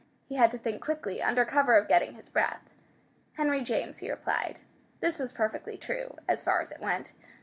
He had to think quickly under cover of getting his breath. "Henry James," he replied. This was perfectly true, as far as it went.